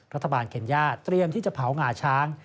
รัฐบาลเคนย่าเตรียมที่จะเผาหงาช้าง